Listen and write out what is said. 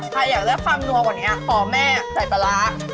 อยากได้ความนัวกว่านี้ขอแม่ใส่ปลาร้า